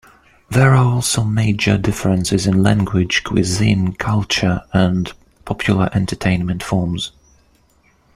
There are also major differences in language, cuisine, culture, and popular entertainment forms.